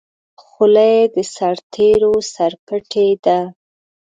خولۍ د سرتېرو سرپټۍ ده.